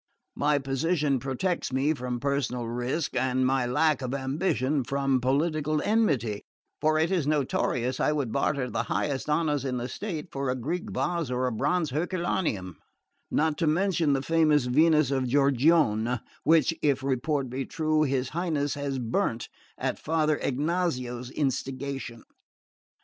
My position protects me from personal risk, and my lack of ambition from political enmity; for it is notorious I would barter the highest honours in the state for a Greek vase or a bronze of Herculanaeum not to mention the famous Venus of Giorgione, which, if report be true, his Highness has burned at Father Ignazio's instigation.